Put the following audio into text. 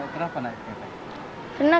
kenapa naik ke perahu